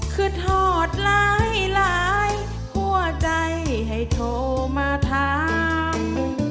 คือทอดหลายหัวใจให้โทรมาถาม